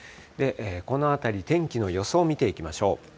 この辺り、天気の予想見ていきましょう。